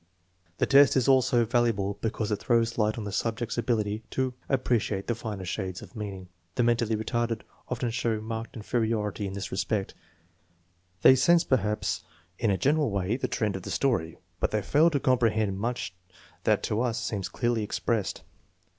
The test is also valuable because it throws light on the subject's ability to appreciate the finer shades of meaning. The mentally retarded often show marked inferiority in this TEST NO. XH, 6 301 respect. They sense, perhaps, in a general way the trend of the story, but they fail to comprehend much that to us seems clearly expressed.